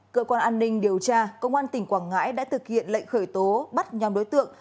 cơ quan an ninh điều tra công an tp hcm đã thực hiện lệnh khởi tố bắt nhóm đối tượng